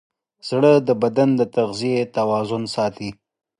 زړه د بدن د تغذیې توازن ساتي.